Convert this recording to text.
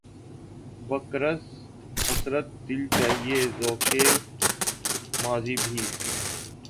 بقدرِ حسرتِ دل‘ چاہیے ذوقِ معاصی بھی